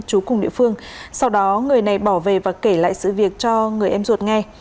chú cùng địa phương sau đó người này bỏ về và kể lại sự việc cho người em ruột nghe